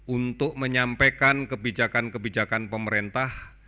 untuk menyampaikan kebijakan kebijakan pemerintah